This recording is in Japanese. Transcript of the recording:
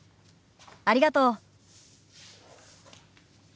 ありがとう。